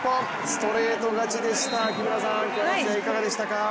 ストレート勝ちでした今日の試合、いかがでしたか？